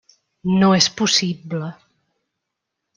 No és possible!